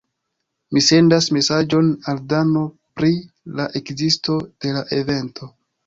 Mi sendas mesaĝon al Dano pri la ekzisto de la evento.